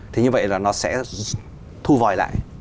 thế như vậy là nó sẽ thu vòi lại